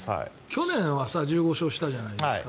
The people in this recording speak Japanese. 去年は１５勝したじゃないですか。